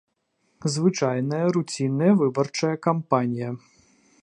Звычайная, руцінная выбарчая кампанія.